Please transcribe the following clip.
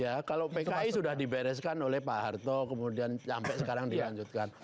ya kalau pki sudah dibereskan oleh pak harto kemudian sampai sekarang dilanjutkan